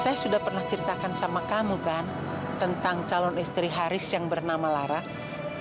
saya sudah pernah ceritakan sama kamu kan tentang calon istri haris yang bernama laras